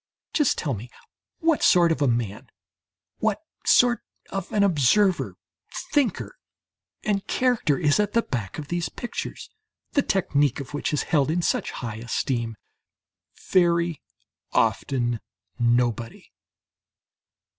Just tell me what sort of a man, what sort of an observer, thinker and character, is at the back of these pictures, the technique of which is held in such high esteem? Very often nobody.